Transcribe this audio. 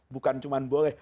bukan cuma boleh